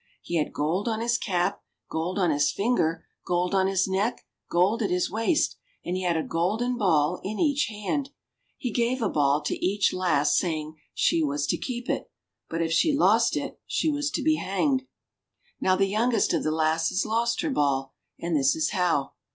He had gold on his cap, gold on his finger, gold on his neck, gold at his waist ! And he had a golden ball in each hand. He gave a ball to each lass, saying she was to keep it ; but if she lost it, she was to be hanged. Now the youngest of the lasses lost her ball, and this is how.